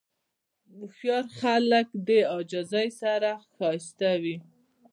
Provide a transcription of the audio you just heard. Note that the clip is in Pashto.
هوښیار خلک د عاجزۍ سره ښایسته وي.